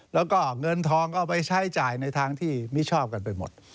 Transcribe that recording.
แล้วก็เงินทองก็เอาไปใช้จ่ายในทางที่มิชอบกันไปหมด